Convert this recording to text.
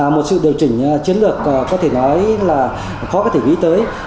một sự điều chỉnh chiến lược có thể nói là khó có thể nghĩ tới